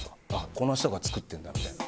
この人が作ってるんだみたいな。